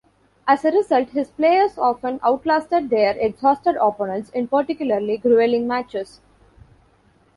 As a result, his players often outlasted their exhausted opponents in particularly grueling matches.